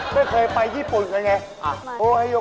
ไม่เคยไปญี่ปุ่นกันไง